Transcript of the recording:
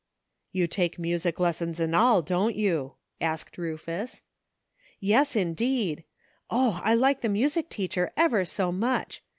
" You take music lessons and all, don't you?" asked Ruf us. "Yes, indeed ! Oh ! I like the music teacher ever so much.